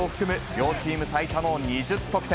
両チーム最多の２０得点。